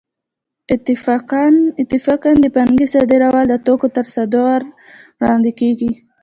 اتفاقاً د پانګې صادرول د توکو تر صدور وړاندې کېږي